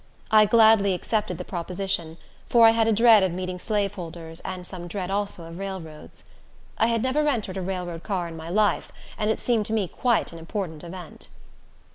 I gladly accepted the proposition, for I had a dread of meeting slaveholders, and some dread also of railroads. I had never entered a railroad car in my life, and it seemed to me quite an important event.